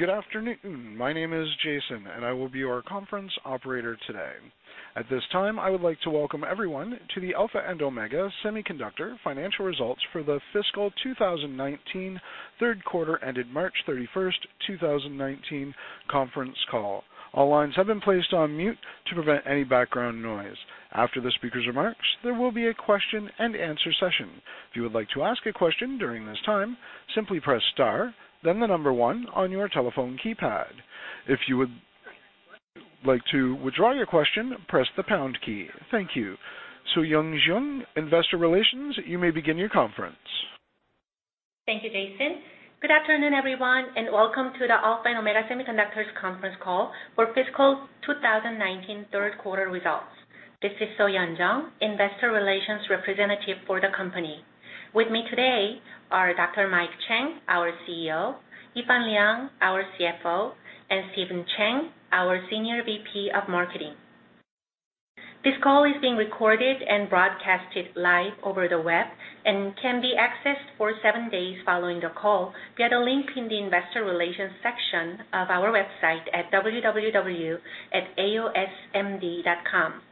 Good afternoon. My name is Jason, and I will be your conference operator today. At this time, I would like to welcome everyone to the Alpha and Omega Semiconductor financial results for the fiscal 2019 third quarter ended March 31st, 2019 conference call. All lines have been placed on mute to prevent any background noise. After the speaker's remarks, there will be a question and answer session. If you would like to ask a question during this time, simply press star, then the number one on your telephone keypad. If you would like to withdraw your question, press the pound key. Thank you. So-Yeon Jeong, Investor Relations, you may begin your conference. Thank you, Jason. Good afternoon, everyone, and welcome to the Alpha and Omega Semiconductor conference call for fiscal 2019 third quarter results. This is So-Yeon Jeong, Investor Relations representative for the company. With me today are Dr. Mike Chang, our CEO, Yifan Liang, our CFO, and Stephen Chang, our Senior VP of Marketing. This call is being recorded and broadcasted live over the web and can be accessed for seven days following the call via the link in the Investor Relations section of our website at www.aosmd.com.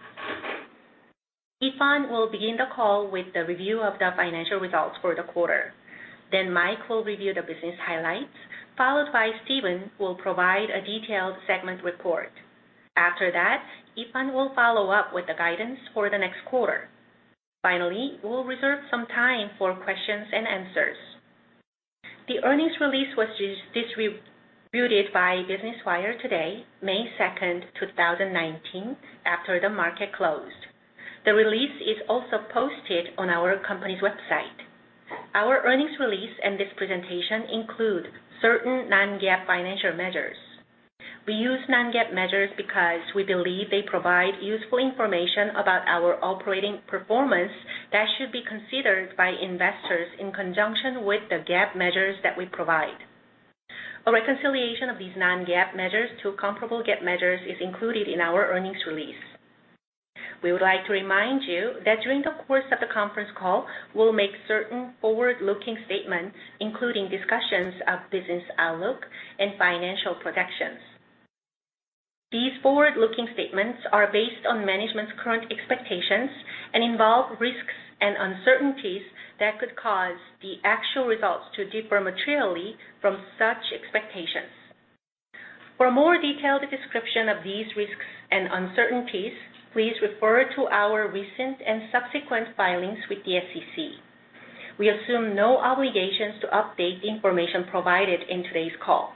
Yifan will begin the call with the review of the financial results for the quarter. Mike will review the business highlights, followed by Stephen, who will provide a detailed segment report. Yifan will follow up with the guidance for the next quarter. We'll reserve some time for questions and answers. The earnings release was distributed by Business Wire today, May 2nd, 2019, after the market closed. The release is also posted on our company's website. Our earnings release and this presentation include certain non-GAAP financial measures. We use non-GAAP measures because we believe they provide useful information about our operating performance that should be considered by investors in conjunction with the GAAP measures that we provide. A reconciliation of these non-GAAP measures to comparable GAAP measures is included in our earnings release. We would like to remind you that during the course of the conference call, we'll make certain forward-looking statements, including discussions of business outlook and financial projections. These forward-looking statements are based on management's current expectations and involve risks and uncertainties that could cause the actual results to differ materially from such expectations. For a more detailed description of these risks and uncertainties, please refer to our recent and subsequent filings with the SEC. We assume no obligations to update the information provided in today's call.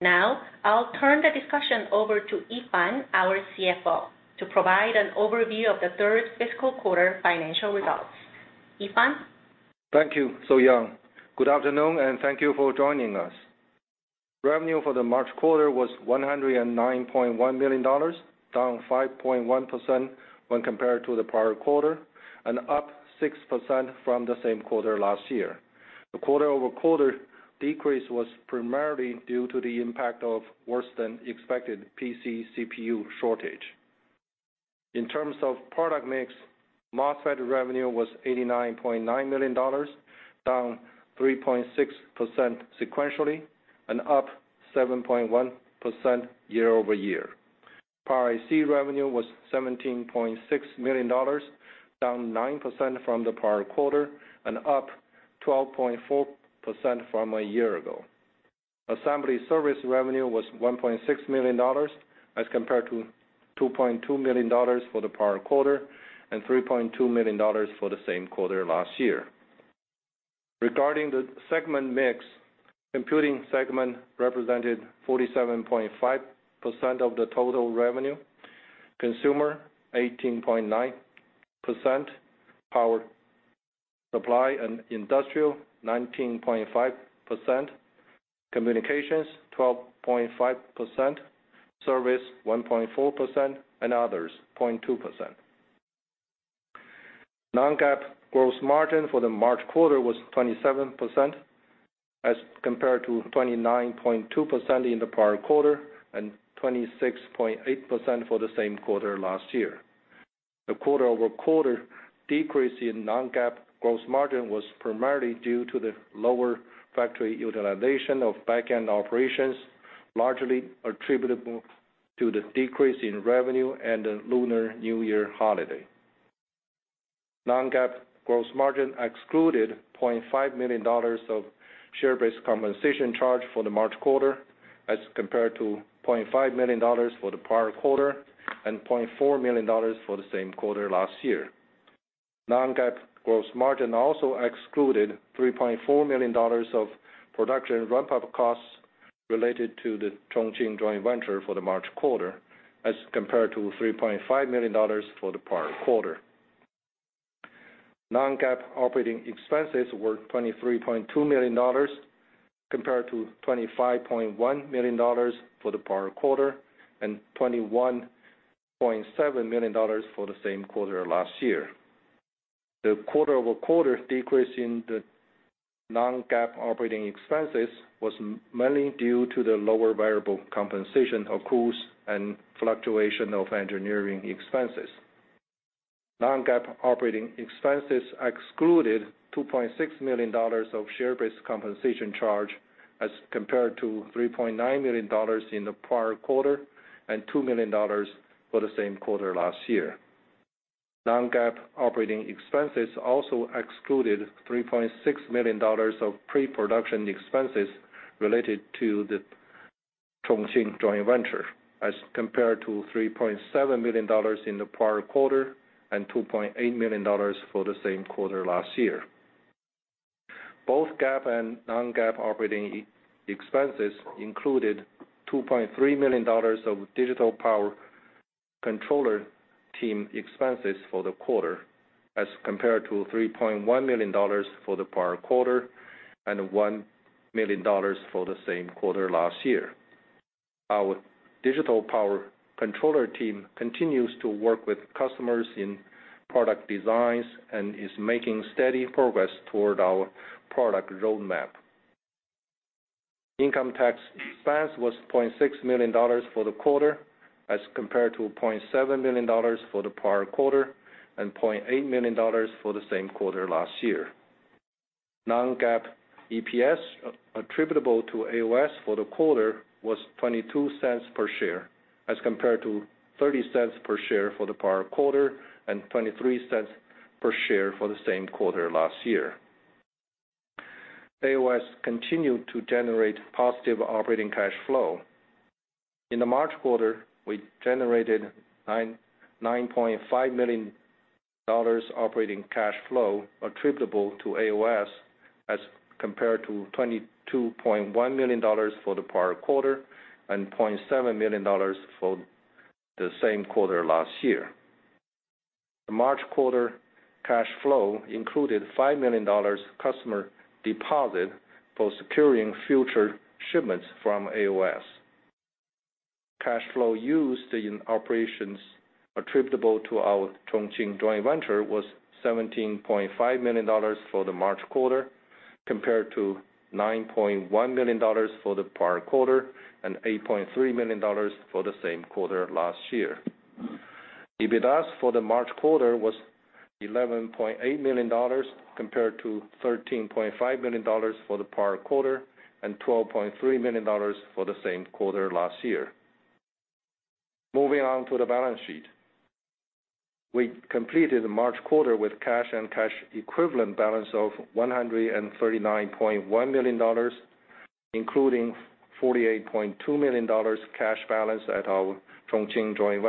I'll turn the discussion over to Yifan, our CFO, to provide an overview of the third fiscal quarter financial results. Yifan? Thank you, So-Yeon. Good afternoon, and thank you for joining us. Revenue for the March quarter was $109.1 million, down 5.1% when compared to the prior quarter and up 6% from the same quarter last year. The quarter-over-quarter decrease was primarily due to the impact of worse-than-expected PC CPU shortage. In terms of product mix, MOSFET revenue was $89.9 million, down 3.6% sequentially and up 7.1% year-over-year. Power IC revenue was $17.6 million, down 9% from the prior quarter and up 12.4% from a year ago. Assembly service revenue was $1.6 million as compared to $2.2 million for the prior quarter and $3.2 million for the same quarter last year. Regarding the segment mix, computing segment represented 47.5% of the total revenue, consumer 18.9%, power supply and industrial 19.5%, communications 12.5%, service 1.4%, and others 0.2%. Non-GAAP gross margin for the March quarter was 27% as compared to 29.2% in the prior quarter and 26.8% for the same quarter last year. The quarter-over-quarter decrease in non-GAAP gross margin was primarily due to the lower factory utilization of back-end operations, largely attributable to the decrease in revenue and the Lunar New Year holiday. Non-GAAP gross margin excluded $0.5 million of share-based compensation charge for the March quarter, as compared to $0.5 million for the prior quarter and $0.4 million for the same quarter last year. Non-GAAP gross margin also excluded $3.4 million of production ramp-up costs related to the Chongqing joint venture for the March quarter, as compared to $3.5 million for the prior quarter. Non-GAAP operating expenses were $23.2 million, compared to $25.1 million for the prior quarter and $21.7 million for the same quarter last year. The quarter-over-quarter decrease in the non-GAAP operating expenses was mainly due to the lower variable compensation of costs and fluctuation of engineering expenses. Non-GAAP operating expenses excluded $2.6 million of share-based compensation charge as compared to $3.9 million in the prior quarter and $2 million for the same quarter last year. Non-GAAP operating expenses also excluded $3.6 million of pre-production expenses related to the Chongqing joint venture as compared to $3.7 million in the prior quarter and $2.8 million for the same quarter last year. Both GAAP and non-GAAP operating expenses included $2.3 million of digital power controller team expenses for the quarter as compared to $3.1 million for the prior quarter and $1 million for the same quarter last year. Our digital power controller team continues to work with customers in product designs and is making steady progress toward our product roadmap. Income tax expense was $0.6 million for the quarter as compared to $0.7 million for the prior quarter and $0.8 million for the same quarter last year. Non-GAAP EPS attributable to AOS for the quarter was $0.22 per share as compared to $0.30 per share for the prior quarter and $0.23 per share for the same quarter last year. AOS continued to generate positive operating cash flow. In the March quarter, we generated $9.5 million operating cash flow attributable to AOS as compared to $22.1 million for the prior quarter and $0.7 million for the same quarter last year. The March quarter cash flow included $5 million customer deposit for securing future shipments from AOS. Cash flow used in operations attributable to our Chongqing joint venture was $17.5 million for the March quarter, compared to $9.1 million for the prior quarter, and $8.3 million for the same quarter last year. EBITDA for the March quarter was $11.8 million compared to $13.5 million for the prior quarter and $12.3 million for the same quarter last year. Moving on to the balance sheet. We completed the March quarter with cash and cash equivalent balance of $139.1 million, including $48.2 million cash balance at our Chongqing joint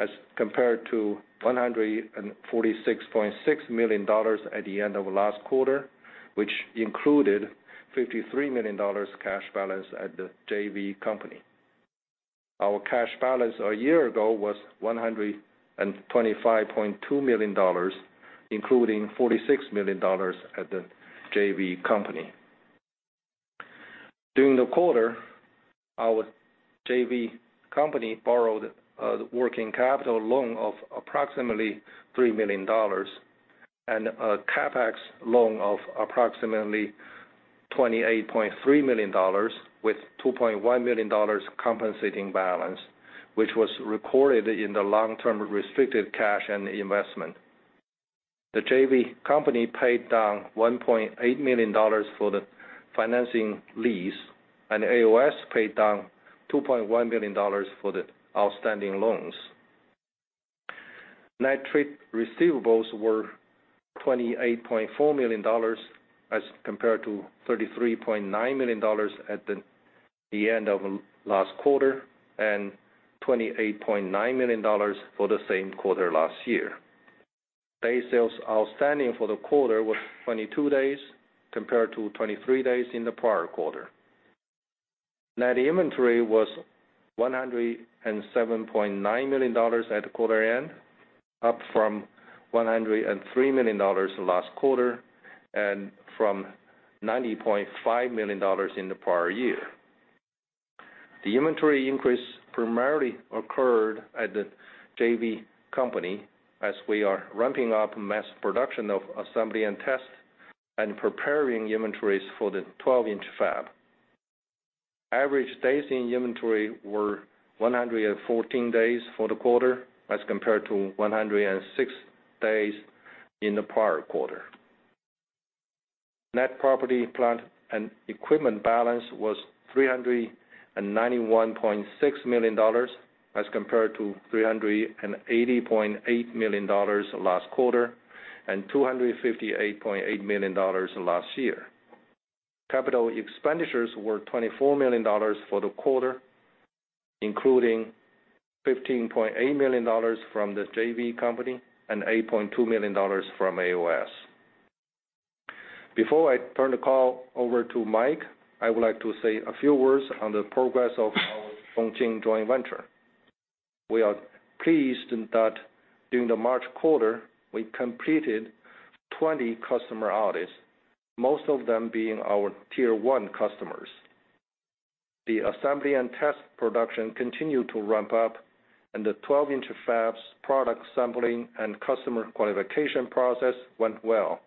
venture, as compared to $146.6 million at the end of last quarter, which included $53 million cash balance at the JV company. Our cash balance a year ago was $125.2 million, including $46 million at the JV company. During the quarter, our JV company borrowed a working capital loan of approximately $3 million and a CapEx loan of approximately $28.3 million with $2.1 million compensating balance, which was recorded in the long-term restricted cash and investment. The JV company paid down $1.8 million for the financing lease. AOS paid down $2.1 million for the outstanding loans. Net trade receivables were $28.4 million as compared to $33.9 million at the end of last quarter and $28.9 million for the same quarter last year. Day sales outstanding for the quarter was 22 days, compared to 23 days in the prior quarter. Net inventory was $107.9 million at the quarter end, up from $103 million last quarter and from $90.5 million in the prior year. The inventory increase primarily occurred at the JV company as we are ramping up mass production of assembly and test and preparing inventories for the 12-inch fab. Average days in inventory were 114 days for the quarter as compared to 106 days in the prior quarter. Net property, plant, and equipment balance was $391.6 million as compared to $380.8 million last quarter and $258.8 million last year. Capital expenditures were $24 million for the quarter, including $15.8 million from the JV company and $8.2 million from AOS. Before I turn the call over to Mike, I would like to say a few words on the progress of our Chongqing joint venture. We are pleased that during the March quarter, we completed 20 customer audits, most of them being our tier 1 customers. The assembly and test production continued to ramp up. The 12-inch fab's product sampling and customer qualification process went well.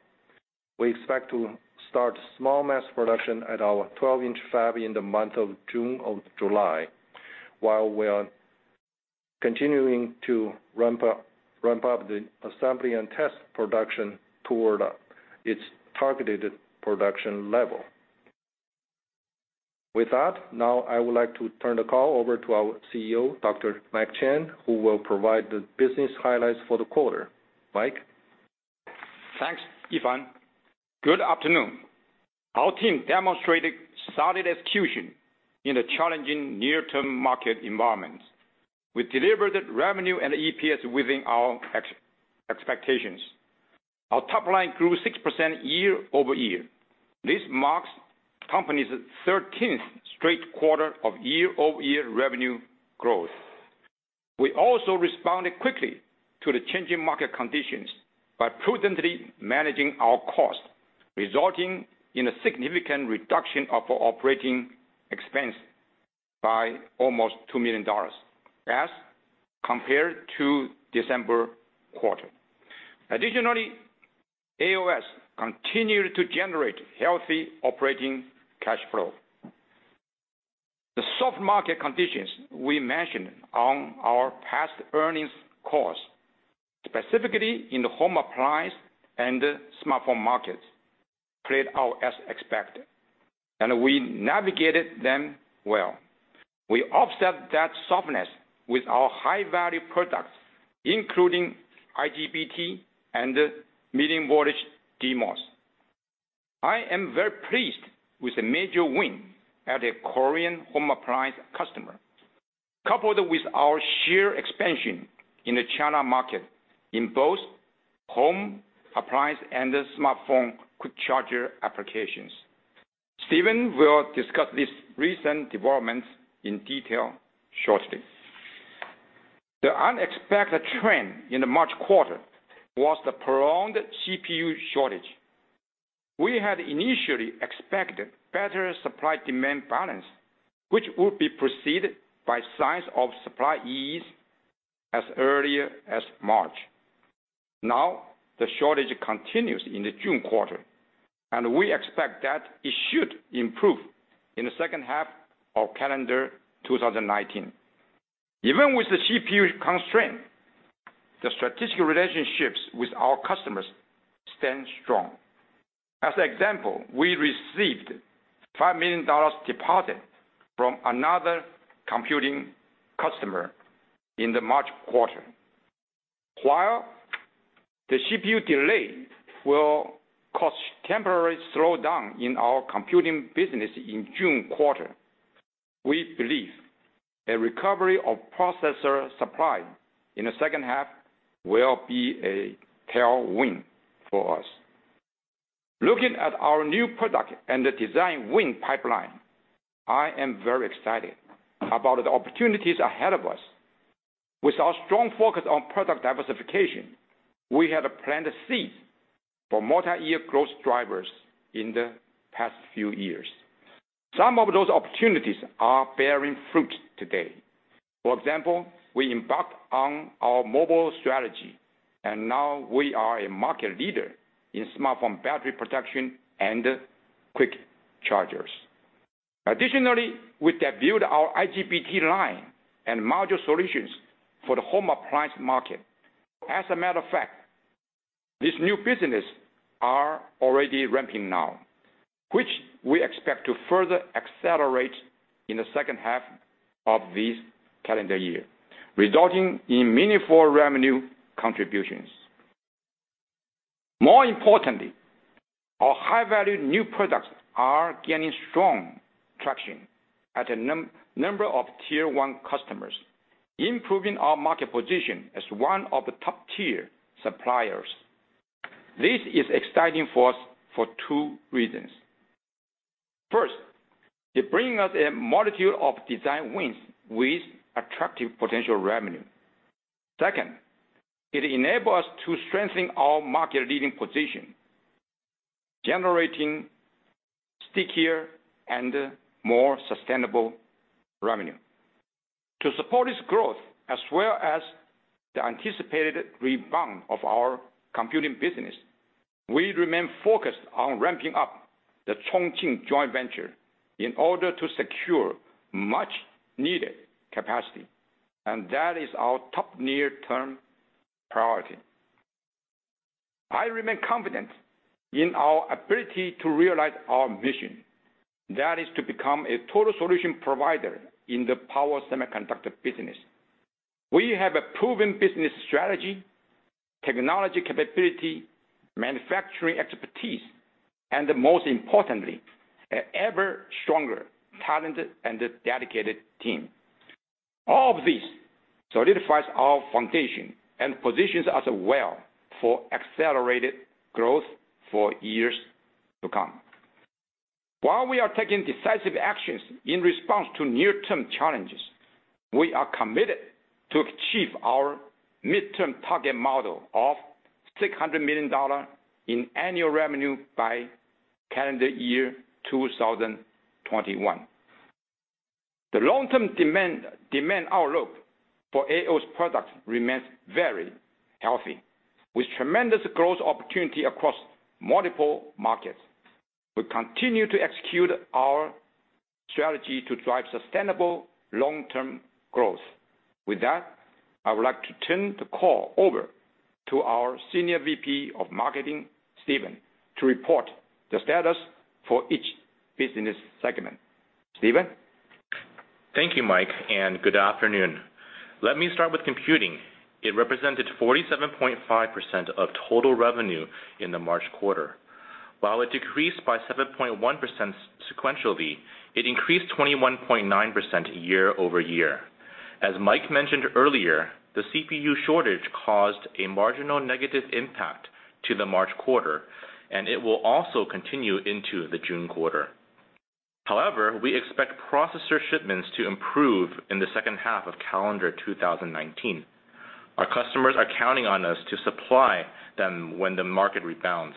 We expect to start small mass production at our 12-inch fab in the month of June or July, while we are continuing to ramp up the assembly and test production toward its targeted production level. With that, now I would like to turn the call over to our CEO, Dr. Mike Chang, who will provide the business highlights for the quarter. Mike? Thanks, Yifan. Good afternoon. Our team demonstrated solid execution in a challenging near-term market environment. We delivered revenue and EPS within our expectations. Our top line grew 6% year-over-year. This marks the company's 13th straight quarter of year-over-year revenue growth. We also responded quickly to the changing market conditions by prudently managing our cost, resulting in a significant reduction of operating expense by almost $2 million as compared to December quarter. Additionally, AOS continued to generate healthy operating cash flow. The soft market conditions we mentioned on our past earnings calls, specifically in the home appliance and smartphone markets, played out as expected, and we navigated them well. We offset that softness with our high-value products, including IGBT and medium-voltage DMOS. I am very pleased with the major win at a Korean home appliance customer, coupled with our share expansion in the China market in both home appliance and smartphone quick charger applications. Stephen will discuss these recent developments in detail shortly. The unexpected trend in the March quarter was the prolonged CPU shortage. We had initially expected better supply-demand balance, which would be preceded by signs of supply ease as early as March. The shortage continues in the June quarter, and we expect that it should improve in the second half of calendar 2019. Even with the CPU constraint, the strategic relationships with our customers stand strong. As an example, we received $5 million deposit from another computing customer in the March quarter. While the CPU delay will cause temporary slowdown in our computing business in June quarter, we believe a recovery of processor supply in the second half will be a tailwind for us. Looking at our new product and the design win pipeline, I am very excited about the opportunities ahead of us. With our strong focus on product diversification, we have planted seeds for multiyear growth drivers in the past few years. Some of those opportunities are bearing fruit today. For example, we embarked on our mobile strategy, and now we are a market leader in smartphone battery protection and quick chargers. Additionally, we debuted our IGBT line and module solutions for the home appliance market. As a matter of fact, this new business are already ramping now, which we expect to further accelerate in the second half of this calendar year, resulting in meaningful revenue contributions. More importantly, our high-value new products are gaining strong traction at a number of tier 1 customers, improving our market position as one of the top-tier suppliers. This is exciting for us for two reasons. First, it bring us a multitude of design wins with attractive potential revenue. Second, it enable us to strengthen our market-leading position, generating stickier and more sustainable revenue. To support this growth, as well as the anticipated rebound of our computing business, we remain focused on ramping up the Chongqing joint venture in order to secure much needed capacity, that is our top near-term priority. I remain confident in our ability to realize our vision. That is to become a total solution provider in the power semiconductor business. We have a proven business strategy, technology capability, manufacturing expertise, and most importantly, an ever-stronger, talented, and dedicated team. All of this solidifies our foundation and positions us well for accelerated growth for years to come. While we are taking decisive actions in response to near-term challenges, we are committed to achieve our midterm target model of $600 million in annual revenue by calendar year 2021. The long-term demand outlook for AOS' products remains very healthy, with tremendous growth opportunity across multiple markets. We continue to execute our strategy to drive sustainable long-term growth. With that, I would like to turn the call over to our Senior Vice President of Marketing, Stephen, to report the status for each business segment. Stephen? Thank you, Mike, and good afternoon. Let me start with computing. It represented 47.5% of total revenue in the March quarter. While it decreased by 7.1% sequentially, it increased 21.9% year-over-year. As Mike mentioned earlier, the CPU shortage caused a marginal negative impact to the March quarter, and it will also continue into the June quarter. However, we expect processor shipments to improve in the second half of calendar 2019. Our customers are counting on us to supply them when the market rebounds.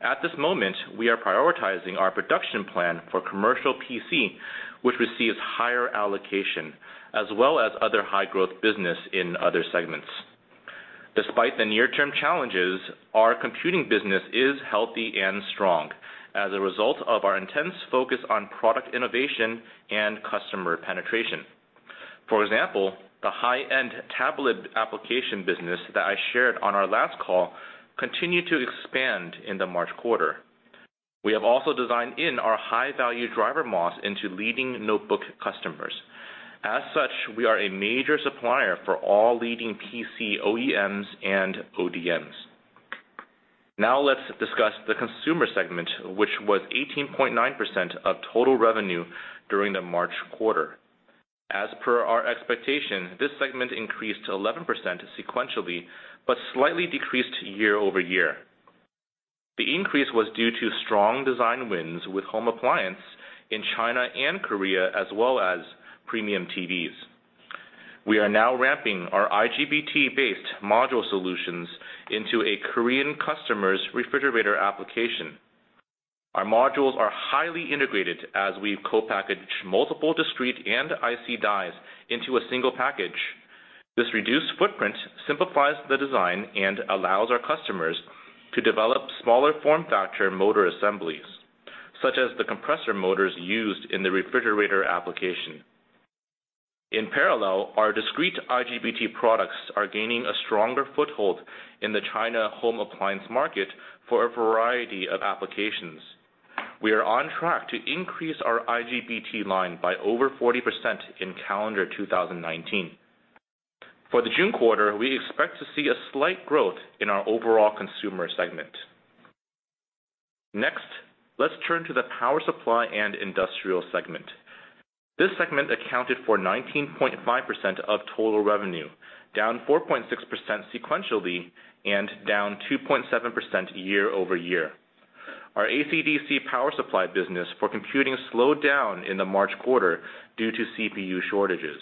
At this moment, we are prioritizing our production plan for commercial PC, which receives higher allocation, as well as other high-growth business in other segments. Despite the near-term challenges, our computing business is healthy and strong as a result of our intense focus on product innovation and customer penetration. For example, the high-end tablet application business that I shared on our last call continued to expand in the March quarter. We have also designed in our high-value Driver MOS into leading notebook customers. As such, we are a major supplier for all leading PC OEMs and ODMs. Now let's discuss the consumer segment, which was 18.9% of total revenue during the March quarter. As per our expectation, this segment increased 11% sequentially, but slightly decreased year-over-year. The increase was due to strong design wins with home appliance in China and Korea, as well as premium TVs. We are now ramping our IGBT-based module solutions into a Korean customer's refrigerator application. Our modules are highly integrated as we co-package multiple discrete and IC dies into a single package. This reduced footprint simplifies the design and allows our customers to develop smaller form factor motor assemblies, such as the compressor motors used in the refrigerator application. In parallel, our discrete IGBT products are gaining a stronger foothold in the China home appliance market for a variety of applications. We are on track to increase our IGBT line by over 40% in calendar 2019. For the June quarter, we expect to see a slight growth in our overall consumer segment. Next, let's turn to the power supply and industrial segment. This segment accounted for 19.5% of total revenue, down 4.6% sequentially and down 2.7% year-over-year. Our AC/DC power supply business for computing slowed down in the March quarter due to CPU shortages.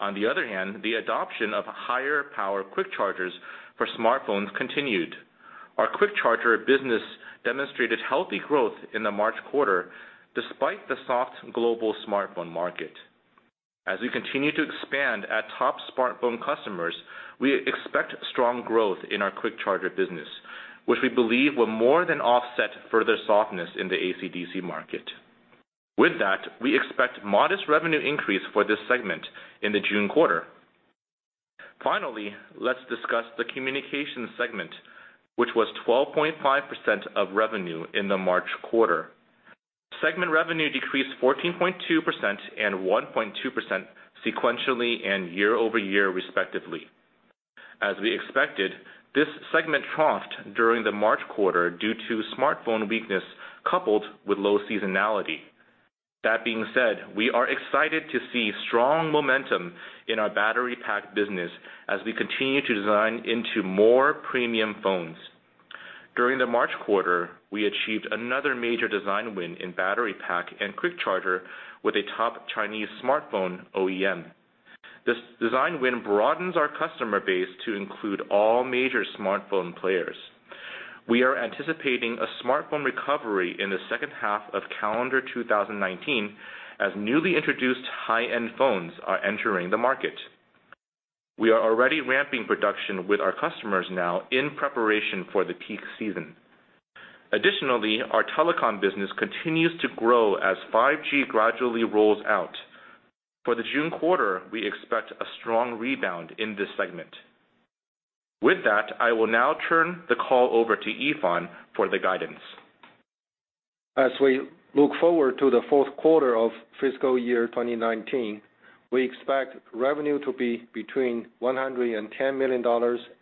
On the other hand, the adoption of higher power quick chargers for smartphones continued. Our quick charger business demonstrated healthy growth in the March quarter despite the soft global smartphone market. As we continue to expand at top smartphone customers, we expect strong growth in our quick charger business, which we believe will more than offset further softness in the AC/DC market. With that, we expect modest revenue increase for this segment in the June quarter. Finally, let's discuss the communication segment, which was 12.5% of revenue in the March quarter. Segment revenue decreased 14.2% and 1.2% sequentially and year-over-year respectively. As we expected, this segment troughed during the March quarter due to smartphone weakness coupled with low seasonality. That being said, we are excited to see strong momentum in our battery pack business as we continue to design into more premium phones. During the March quarter, we achieved another major design win in battery pack and quick charger with a top Chinese smartphone OEM. This design win broadens our customer base to include all major smartphone players. We are anticipating a smartphone recovery in the second half of calendar 2019 as newly introduced high-end phones are entering the market. We are already ramping production with our customers now in preparation for the peak season. Additionally, our telecom business continues to grow as 5G gradually rolls out. For the June quarter, we expect a strong rebound in this segment. With that, I will now turn the call over to Yifan for the guidance. As we look forward to the fourth quarter of fiscal year 2019, we expect revenue to be between $110 million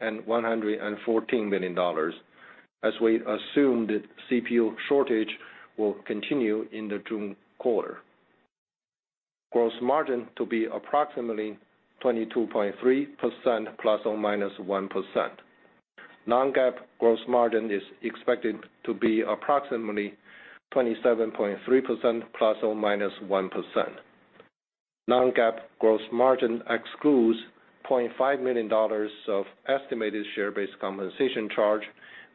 and $114 million, as we assume that CPU shortage will continue in the June quarter. Gross margin to be approximately 22.3% ±1%. Non-GAAP gross margin is expected to be approximately 27.3% ±1%. Non-GAAP gross margin excludes $0.5 million of estimated share-based compensation charge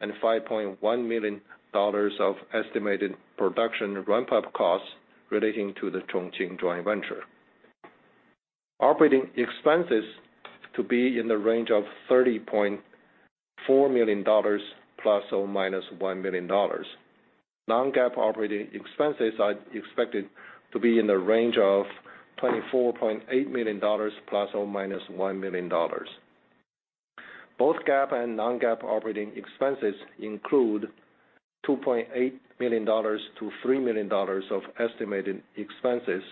and $5.1 million of estimated production ramp-up costs relating to the Chongqing joint venture. Operating expenses to be in the range of $30.4 million ±$1 million. Non-GAAP operating expenses are expected to be in the range of $24.8 million ±$1 million. Both GAAP and non-GAAP operating expenses include $2.8 million to $3 million of estimated expenses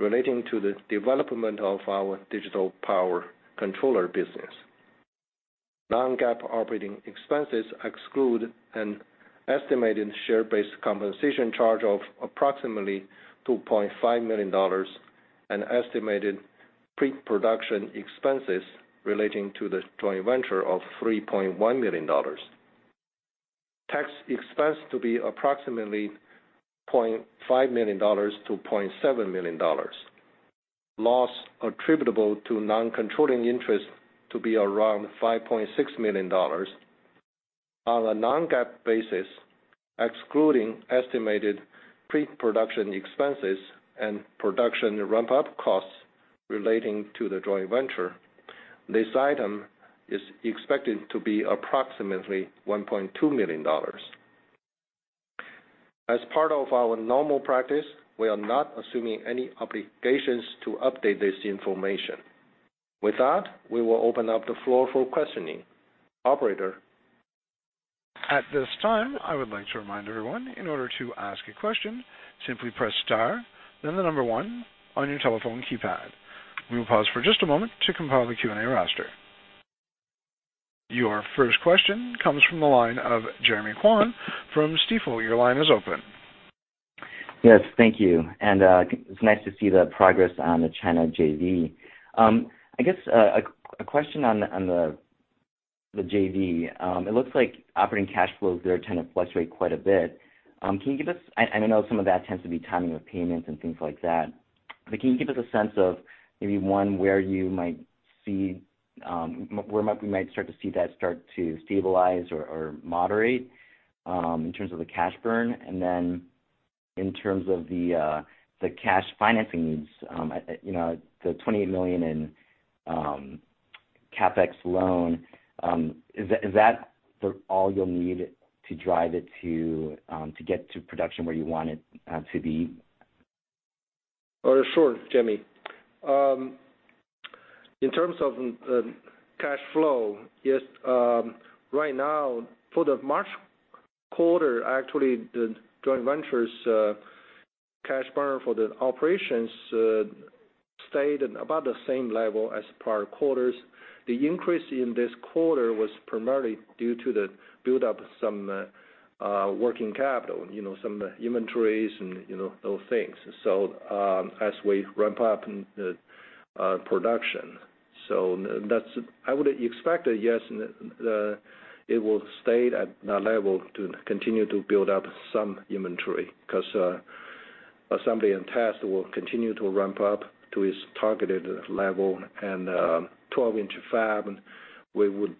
relating to the development of our digital power controller business. Non-GAAP operating expenses exclude an estimated share-based compensation charge of approximately $2.5 million, an estimated pre-production expenses relating to the joint venture of $3.1 million. Tax expense to be approximately $0.5 million to $0.7 million. Loss attributable to non-controlling interests to be around $5.6 million. On a non-GAAP basis, excluding estimated pre-production expenses and production ramp-up costs relating to the joint venture, this item is expected to be approximately $1.2 million. As part of our normal practice, we are not assuming any obligations to update this information. With that, we will open up the floor for questioning. Operator? At this time, I would like to remind everyone, in order to ask a question, simply press star, then the number one on your telephone keypad. We will pause for just a moment to compile the Q&A roster. Your first question comes from the line of Jeremy Kwan from Stifel. Your line is open. Yes. Thank you. It's nice to see the progress on the China JV. I guess, a question on the JV. It looks like operating cash flows there kind of fluctuate quite a bit. I know some of that tends to be timing of payments and things like that. Can you give us a sense of maybe, one, where we might start to see that start to stabilize or moderate, in terms of the cash burn? In terms of the cash financing needs, the $28 million in CapEx loan, is that all you'll need to drive it to get to production where you want it to be? Sure, Jeremy. In terms of cash flow, yes, right now for the March quarter, actually, the joint venture's cash burn for the operations stayed at about the same level as prior quarters. The increase in this quarter was primarily due to the build-up of some working capital, some inventories and those things, as we ramp up production. I would expect that, yes, it will stay at that level to continue to build up some inventory because assembly and test will continue to ramp up to its targeted level. 12-inch fab, we would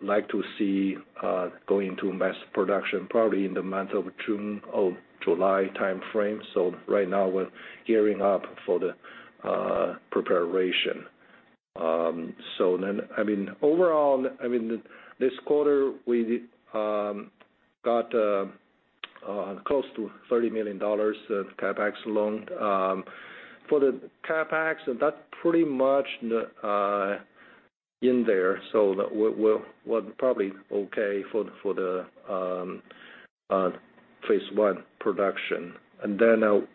like to see going to mass production probably in the month of June or July timeframe. Right now we're gearing up for the preparation. Overall, this quarter, we got close to $30 million of CapEx loan. For the CapEx, that's pretty much in there. We're probably okay for the phase 1 production.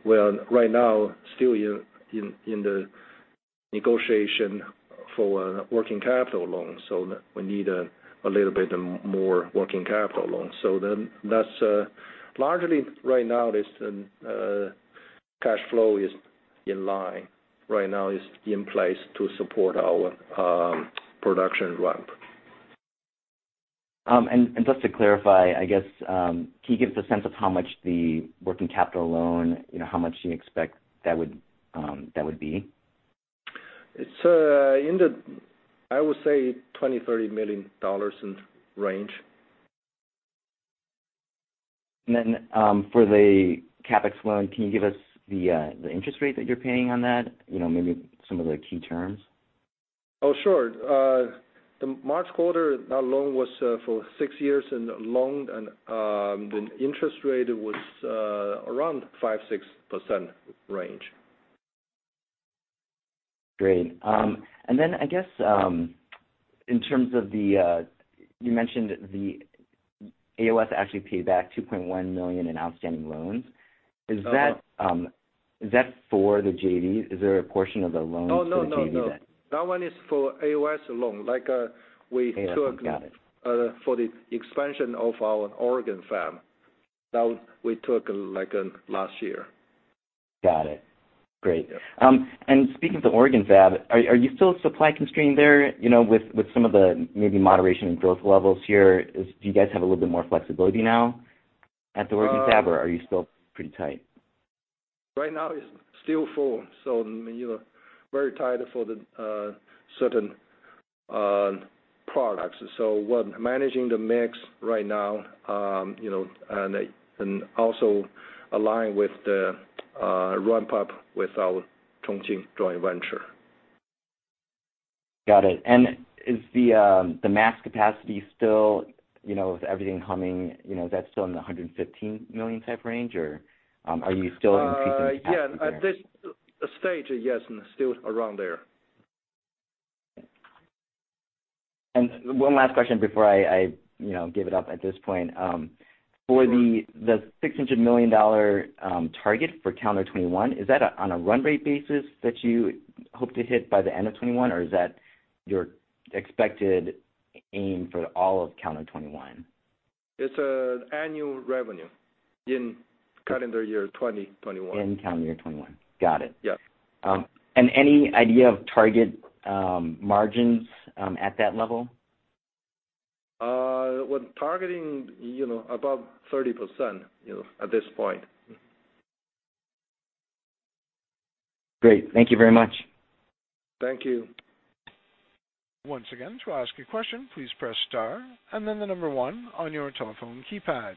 Right now, still in the negotiation for a working capital loan. We need a little bit more working capital loan. That's largely right now, this cash flow is in line. Right now it's in place to support our production ramp. Just to clarify, I guess, can you give us a sense of how much the working capital loan, how much you expect that would be? It's in the, I would say, $20 million-$30 million range. For the CapEx loan, can you give us the interest rate that you're paying on that? Maybe some of the key terms? Oh, sure. The March quarter, that loan was for six years, and the interest rate was around 5%-6% range. Great. I guess, in terms of, you mentioned the AOS actually paid back $2.1 million in outstanding loans. Oh. Is that for the JVs? Is there a portion of the loans for the JVs? No. That one is for AOS loan. AOS. Got it. Like we took for the expansion of our Oregon fab. That one we took last year. Got it. Great. Yeah. Speaking of the Oregon fab, are you still supply-constrained there? With some of the maybe moderation in growth levels here, do you guys have a little bit more flexibility now? At the Oregon fab, are you still pretty tight? Right now it's still full. Very tight for the certain products. We're managing the mix right now, and also align with the ramp-up with our Chongqing joint venture. Got it. Is the mask capacity still, with everything humming, is that still in the 115 million type range, or are you still increasing capacity there? Yeah. At this stage, yes, still around there. One last question before I give it up at this point. Sure. For the $600 million target for calendar 2021, is that on a run rate basis that you hope to hit by the end of 2021, or is that your expected aim for all of calendar 2021? It's annual revenue in calendar year 2021. In calendar year 2021. Got it. Yes. Any idea of target margins at that level? We're targeting above 30% at this point. Great. Thank you very much. Thank you. Once again, to ask a question, please press star and then the number 1 on your telephone keypad.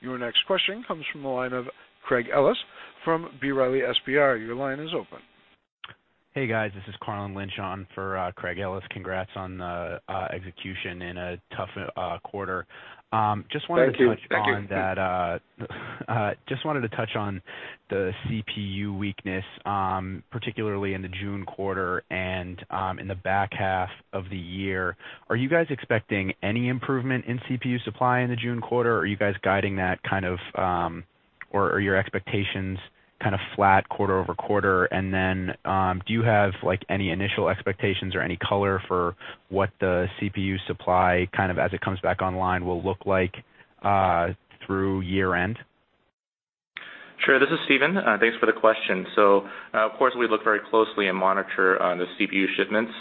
Your next question comes from the line of Craig Ellis from B. Riley FBR. Your line is open. Hey, guys. This is Carlin Lynch on for Craig Ellis. Congrats on the execution in a tough quarter. Thank you. Just wanted to touch on the CPU weakness, particularly in the June quarter and in the back half of the year. Are you guys expecting any improvement in CPU supply in the June quarter, or are you guys guiding that, or are your expectations kind of flat quarter-over-quarter? Do you have any initial expectations or any color for what the CPU supply, as it comes back online, will look like through year-end? Sure. This is Stephen. Thanks for the question. Of course, we look very closely and monitor the CPU shipments.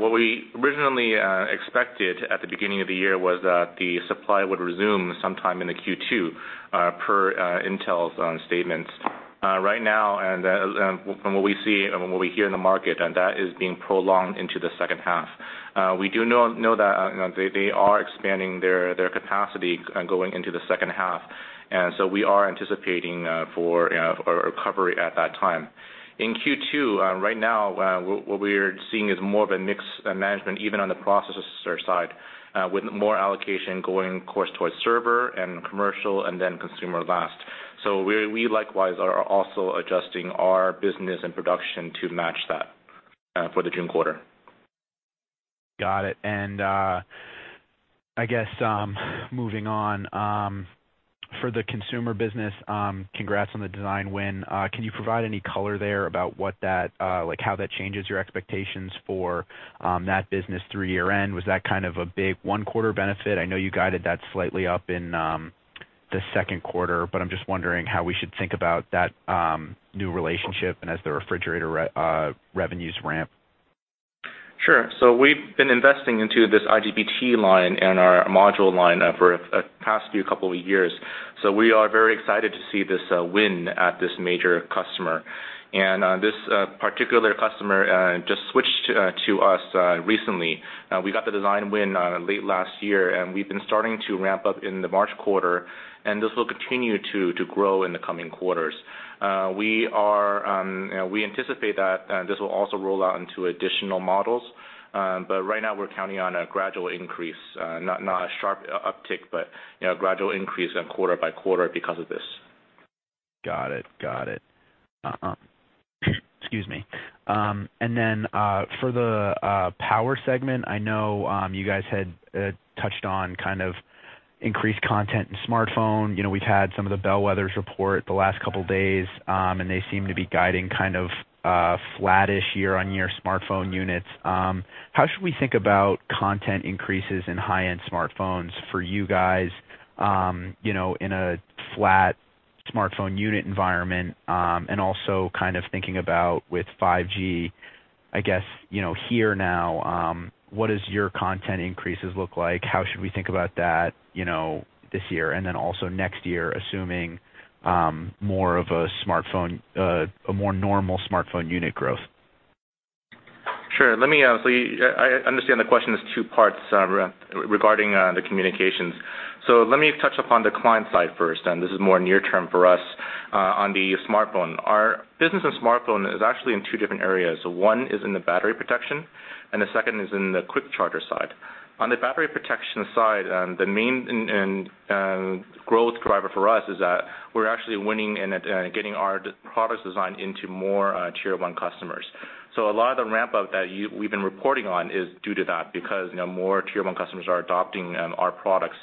What we originally expected at the beginning of the year was that the supply would resume sometime in the Q2, per Intel's statements. Right now, and from what we see and what we hear in the market, and that is being prolonged into the second half. We do know that they are expanding their capacity going into the second half, we are anticipating for a recovery at that time. In Q2, right now, what we're seeing is more of a mix management, even on the processor side, with more allocation going, of course, towards server and commercial and then consumer last. We, likewise, are also adjusting our business and production to match that for the June quarter. Got it. I guess, moving on. For the consumer business, congrats on the design win. Can you provide any color there about how that changes your expectations for that business through year-end? Was that kind of a big one-quarter benefit? I know you guided that slightly up in the second quarter, but I'm just wondering how we should think about that new relationship and as the refrigerator revenues ramp. Sure. We've been investing into this IGBT line and our module line for past few couple of years. We are very excited to see this win at this major customer. This particular customer just switched to us recently. We got the design win late last year, and we've been starting to ramp up in the March quarter, and this will continue to grow in the coming quarters. We anticipate that this will also roll out into additional models. Right now, we're counting on a gradual increase. Not a sharp uptick, but a gradual increase quarter by quarter because of this. Got it. Excuse me. Then, for the power segment, I know you guys had touched on increased content in smartphone. We've had some of the bellwethers report the last couple days, and they seem to be guiding flat-ish year-on-year smartphone units. How should we think about content increases in high-end smartphones for you guys in a flat smartphone unit environment? Also thinking about with 5G, I guess, here now, what does your content increases look like? How should we think about that this year and then also next year, assuming a more normal smartphone unit growth? Sure. I understand the question is two parts regarding the communications. Let me touch upon the client side first, and this is more near term for us on the smartphone. Our business in smartphone is actually in two different areas. One is in the battery protection, and the second is in the quick charger side. On the battery protection side, the main growth driver for us is that we're actually winning and getting our products designed into more Tier 1 customers. A lot of the ramp-up that we've been reporting on is due to that, because more Tier 1 customers are adopting our products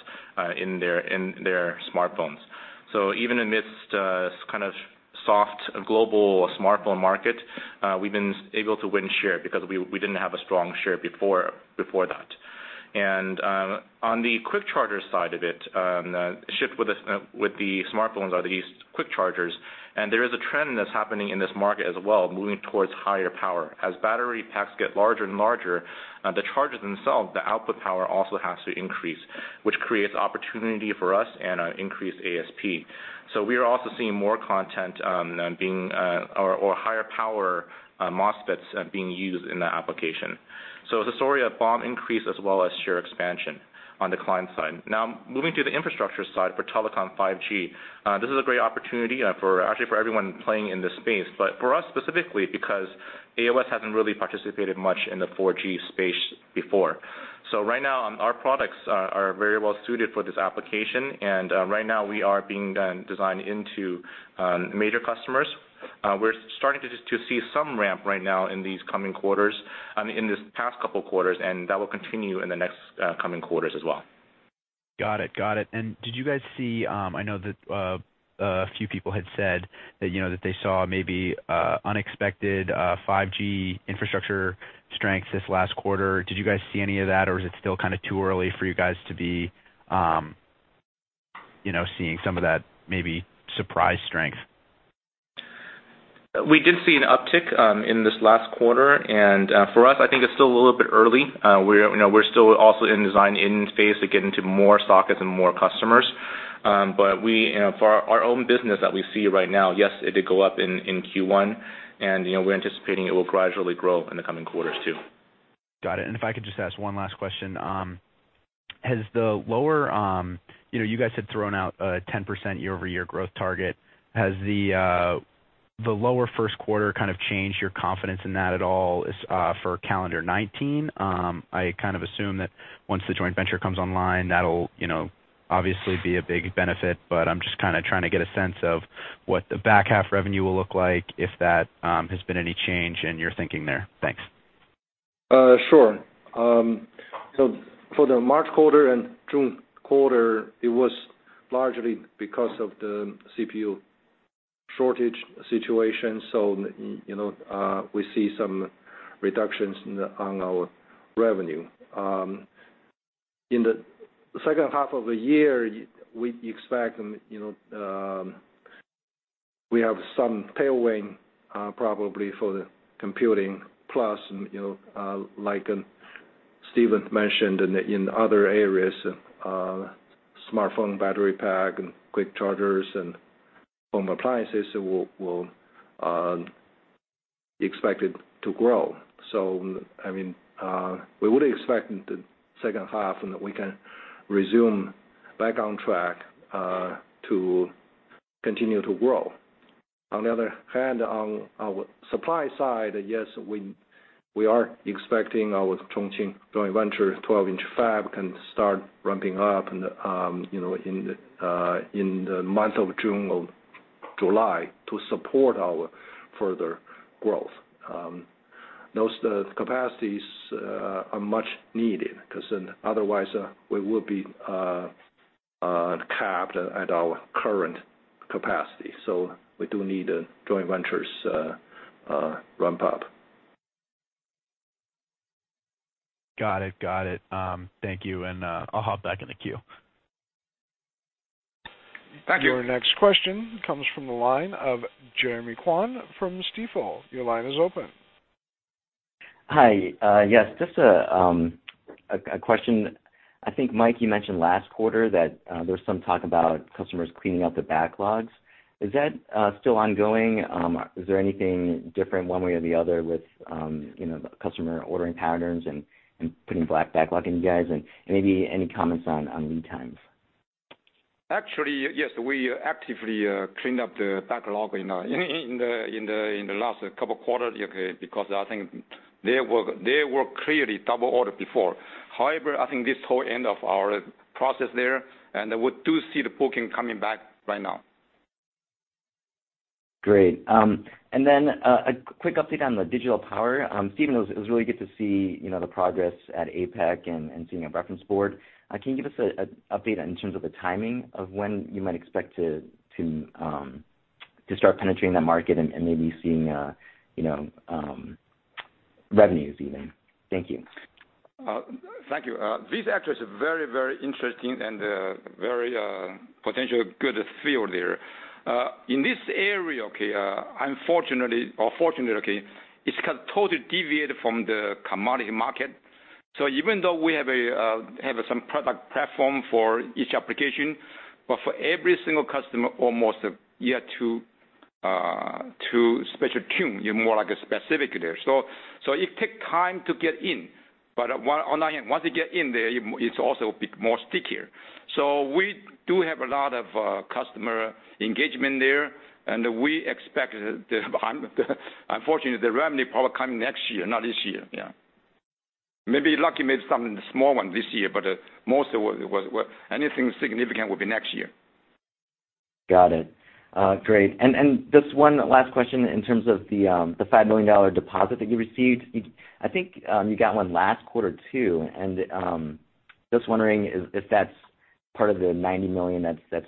in their smartphones. Even amidst a kind of soft global smartphone market, we've been able to win share because we didn't have a strong share before that. On the quick charger side of it, the shift with the smartphones are these quick chargers. There is a trend that's happening in this market as well, moving towards higher power. As battery packs get larger and larger, the chargers themselves, the output power also has to increase, which creates opportunity for us and an increased ASP. We are also seeing more content or higher power MOSFETs being used in the application. The story of BOM increase as well as share expansion on the client side. Now, moving to the infrastructure side for telecom 5G. This is a great opportunity, actually for everyone playing in this space. But for us specifically, because AOS hasn't really participated much in the 4G space before. Right now, our products are very well suited for this application. Right now, we are being designed into major customers. We're starting to see some ramp right now in these coming quarters, I mean, in this past couple of quarters, that will continue in the next coming quarters as well. Got it. Did you guys see, I know that a few people had said that they saw maybe unexpected 5G infrastructure strength this last quarter. Did you guys see any of that, or is it still too early for you guys to be seeing some of that maybe surprise strength? We did see an uptick in this last quarter. For us, I think it's still a little bit early. We're still also in design in phase to get into more sockets and more customers. But for our own business that we see right now, yes, it did go up in Q1, we're anticipating it will gradually grow in the coming quarters, too. Got it. If I could just ask one last question. You guys had thrown out a 10% year-over-year growth target. Has the lower first quarter changed your confidence in that at all for calendar 2019? I assume that once the joint venture comes online, that'll obviously be a big benefit, but I'm just trying to get a sense of what the back half revenue will look like, if that has been any change in your thinking there. Thanks. Sure. For the March quarter and June quarter, it was largely because of the CPU shortage situation. We see some reductions on our revenue. In the second half of the year, we expect we have some tailwind, probably for the computing plus, like Stephen mentioned in the other areas, smartphone battery pack and quick chargers and home appliances will be expected to grow. We would expect in the second half that we can resume back on track to continue to grow. On the other hand, on our supply side, yes, we are expecting our Chongqing joint venture 12-inch fab can start ramping up in the month of June or July to support our further growth. Those capacities are much needed because otherwise we will be capped at our current capacity. We do need the joint venture's ramp up. Got it. Thank you. I'll hop back in the queue. Thank you. Your next question comes from the line of Jeremy Kwan from Stifel. Your line is open. Hi. Yes, just a question. I think, Mike, you mentioned last quarter that there's some talk about customers cleaning up the backlogs. Is that still ongoing? Is there anything different one way or the other with customer ordering patterns and putting back backlog in you guys? Maybe any comments on lead times. Actually, yes, we actively cleaned up the backlog in the last couple of quarters because I think they were clearly double ordered before. I think this whole end of our process there, and we do see the booking coming back right now. Great. Then a quick update on the digital power. Stephen, it was really good to see the progress at APEC and seeing a reference board. Can you give us an update in terms of the timing of when you might expect to start penetrating that market and maybe seeing revenues even? Thank you. Thank you. This actually is very, very interesting and very potential good field there. In this area, unfortunately or fortunately, it's totally deviated from the commodity market. Even though we have some product platform for each application, but for every single customer, almost you have to special tune, more like specific there. It take time to get in. But on the other hand, once you get in there, it's also a bit more stickier. We do have a lot of customer engagement there, and we expect, unfortunately, the revenue probably coming next year, not this year. Yeah. Maybe lucky, maybe some small one this year, but anything significant will be next year. Got it. Great. Just one last question in terms of the $5 million deposit that you received. I think, you got one last quarter, too. Just wondering if that's part of the $90 million that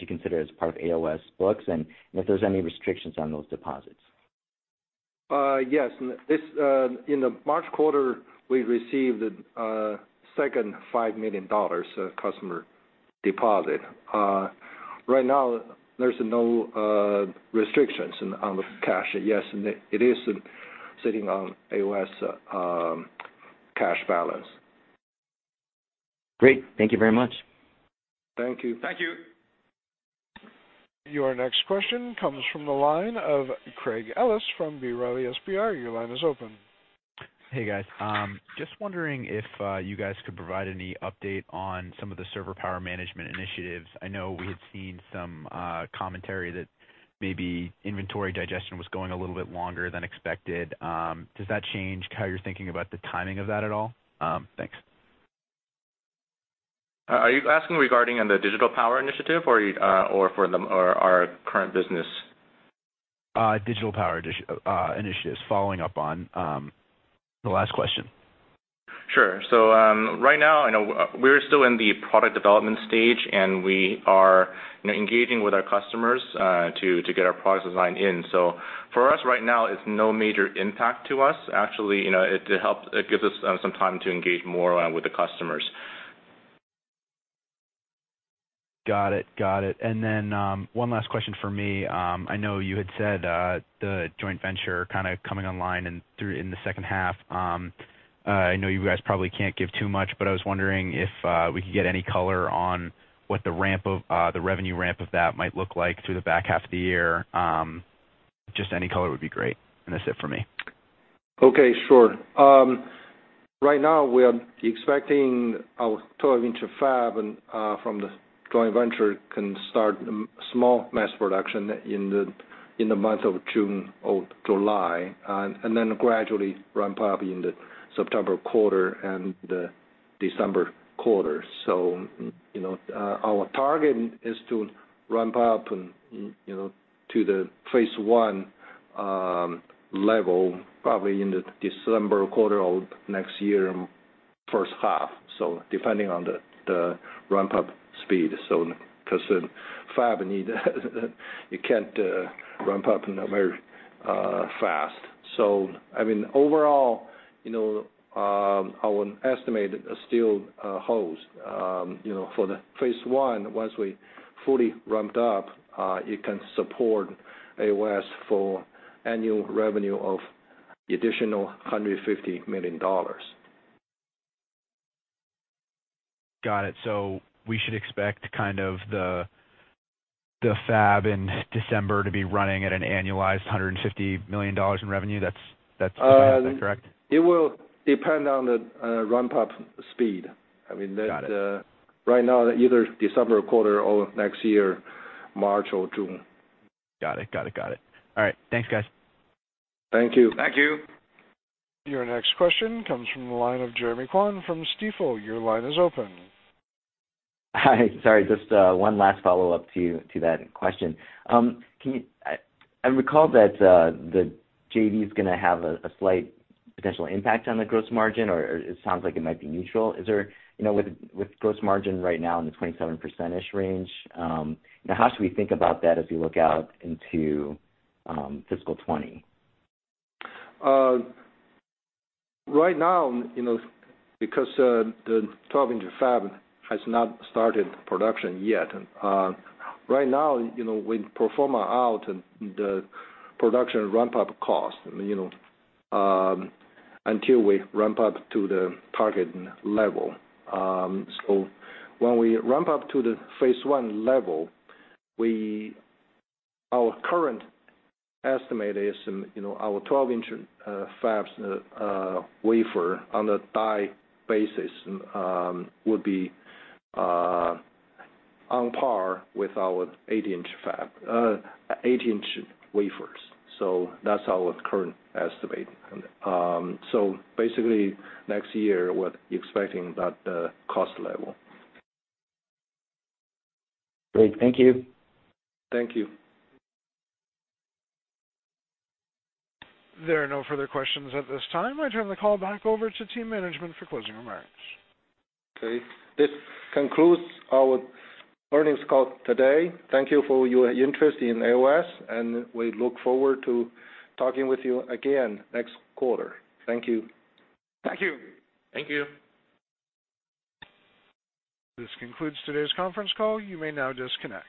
you consider as part of AOS books and if there's any restrictions on those deposits? Yes. In the March quarter, we received a second $5 million customer deposit. Right now, there's no restrictions on the cash. Yes, it is sitting on AOS cash balance. Great. Thank you very much. Thank you. Thank you. Your next question comes from the line of Craig Ellis from B. Riley FBR. Your line is open. Hey, guys. Just wondering if you guys could provide any update on some of the server power management initiatives. I know we had seen some commentary that maybe inventory digestion was going a little bit longer than expected. Has that changed how you're thinking about the timing of that at all? Thanks. Are you asking regarding on the digital power initiative or for our current business? Digital power initiatives, following up on the last question. Right now, I know we're still in the product development stage. We are engaging with our customers to get our product design in. For us right now, it's no major impact to us. Actually, it gives us some time to engage more with the customers. Got it. One last question from me. I know you had said the joint venture coming online in the second half. I know you guys probably can't give too much, but I was wondering if we could get any color on what the revenue ramp of that might look like through the back half of the year. Just any color would be great. That's it for me. Okay, sure. Right now, we are expecting our 12-inch fab from the joint venture can start small mass production in the month of June or July, and then gradually ramp up in the September quarter and the December quarter. Our target is to ramp up to the phase 1 level probably in the December quarter of next year, first half, depending on the ramp-up speed. Because the fab you can't ramp up very fast. I mean, overall, our estimate still holds. For the phase 1, once we fully ramped up, it can support AOS for annual revenue of additional $150 million. Got it. We should expect the fab in December to be running at an annualized $150 million in revenue. Is that correct? It will depend on the ramp-up speed. Got it. Right now, either December quarter or next year, March or June. Got it. All right. Thanks, guys. Thank you. Thank you. Your next question comes from the line of Jeremy Kwan from Stifel. Your line is open. Hi. Sorry, just one last follow-up to that question. I recall that the JV is going to have a slight potential impact on the gross margin, or it sounds like it might be neutral. With gross margin right now in the 27%-ish range, how should we think about that as we look out into fiscal 2020? Right now, because the 12-inch fab has not started production yet. Right now, we perform out the production ramp-up cost, until we ramp up to the target level. When we ramp up to the phase 1 level, our current estimate is our 12-inch fab's wafer on a die basis would be on par with our 8-inch wafers. That's our current estimate. Basically, next year, we're expecting that cost level. Great. Thank you. Thank you. There are no further questions at this time. I turn the call back over to team management for closing remarks. Okay. This concludes our earnings call today. Thank you for your interest in AOS, and we look forward to talking with you again next quarter. Thank you. Thank you. Thank you. This concludes today's conference call. You may now disconnect.